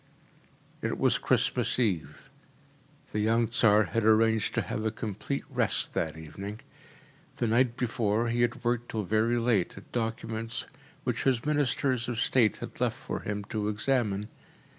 It was Christmas Eve. The young Tsar had arranged to have a complete rest that evening. The night before he had worked till very late at documents which his ministers of state had left for him to examine.